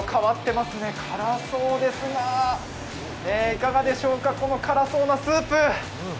辛そうですがいかがでしょうか、この辛そうなスープ。